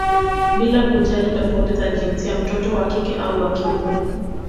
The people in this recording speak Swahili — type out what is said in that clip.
Bila kujali tofauti za jinsia mtoto wa kike au wa kiume